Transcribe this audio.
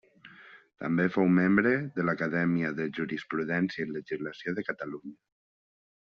També fou membre de l'Acadèmia de Jurisprudència i Legislació de Catalunya.